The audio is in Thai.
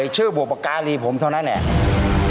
ชื่อบุปการีผมเท่านั้นแหละ